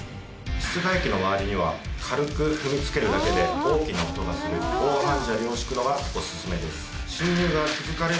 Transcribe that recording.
室外機の周りには軽く踏みつけるだけで大きな音がする防犯砂利を敷くのがお薦めです。